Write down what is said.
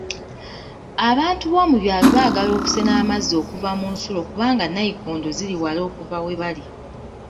Abantu b'omu byalo baagala okusena amazzi okuva mu nsulo kubanga nayikondo ziri wala okuva we bali.